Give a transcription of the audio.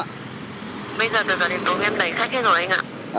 bây giờ từ giờ đến tối em đầy khách hết rồi anh ạ